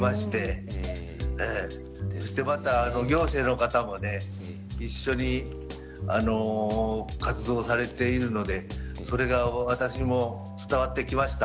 そしてまた行政の方もね一緒に活動されているのでそれが私も伝わってきました。